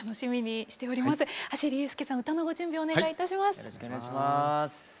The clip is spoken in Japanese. よろしくお願いします。